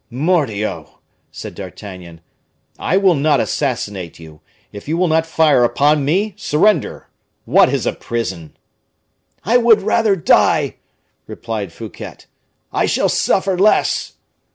"Mordioux!" said D'Artagnan, "I will not assassinate you; if you will not fire upon me, surrender! what is a prison?" "I would rather die!" replied Fouquet; "I shall suffer less."